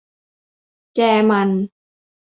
แกมัน